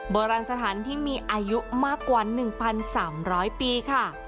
โบราณสถานที่มีอายุมากกว่า๑๓๐๐ปีค่ะ